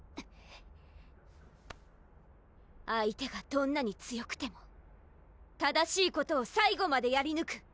⁉相手がどんなに強くても正しいことを最後までやりぬく